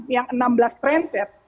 yang enam belas transit